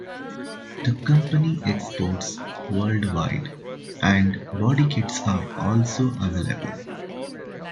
The company exports worldwide and body kits are also available.